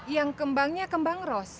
yang kembangnya kembang kembangnya